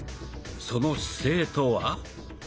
その姿勢とは？